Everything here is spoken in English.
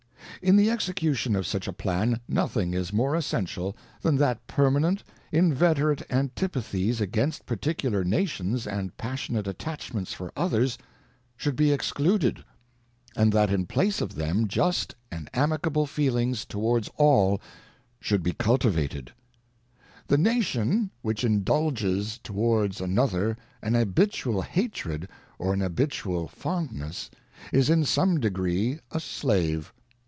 In the execution of such a plan nothing is more essential than that permanent, invet erate antipathies against particular nations and passionate attachments for others should be excluded ; and that in place of them just and WASHINGTON'S FAREWELL ADDRESS amicable feelings towards all should be culti vated. ŌĆö The Nation, which indulges towards another an habitual hatred or an habitual fondness, is in some degree a slave.